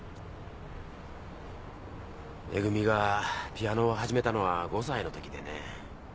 恵がピアノを始めたのは５歳のときでね。